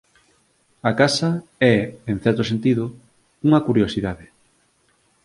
A casa é en certo sentido unha curiosidade.